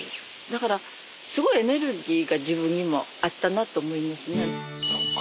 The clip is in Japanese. だからすごいエネルギーが自分にもあったなと思いますね。